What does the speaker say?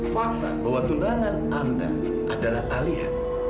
fakta bahwa tunangan anda adalah alia